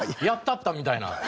「やったった」みたいな。